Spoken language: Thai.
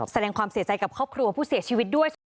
แสดงความเสียใจกับครอบครัวผู้เสียชีวิตด้วย